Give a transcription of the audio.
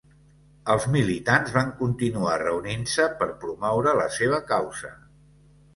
Els militants van continuar reunint-se per promoure la seva causa.